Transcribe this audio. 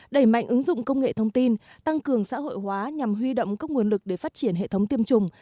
đẩy mạnh ứng dụng công nghệ thông tin tăng cường xã hội hóa nhằm huy động các nguồn lực để phát triển hệ thống tiêm chủng